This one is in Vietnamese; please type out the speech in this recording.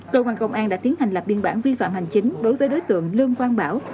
cơ quan công an đã tiến hành lập biên bản vi phạm hành chính đối với đối tượng lương quang bảo